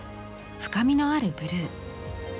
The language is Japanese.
深みのあるブルー。